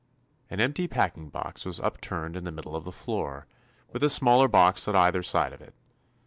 An empty packing box was up turned in the middle of the floor, with a smaller box at either side of it.